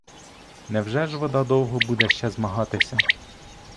Невже ж вода довго буде ще змагатися?